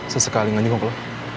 sesekali ngajuk lo